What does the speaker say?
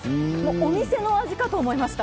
お店の味かと思いました。